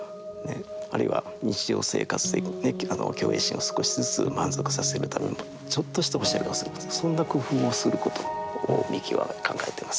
あるいは日常生活で虚栄心を少しずつ満足させるためにもちょっとしたおしゃれをするとかそんな工夫をすることを三木は考えてます。